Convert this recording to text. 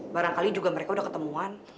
barangkali juga mereka udah ketemuan